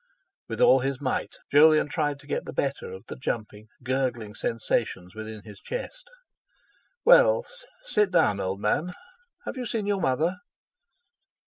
With all his might Jolyon tried to get the better of the jumping, gurgling sensations within his chest. "Well, sit down, old man. Have you seen your mother?"